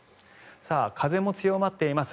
風も強まっています。